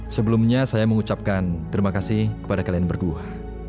sebelumnya saya mengucapkan terima kasih kepada kalian berdua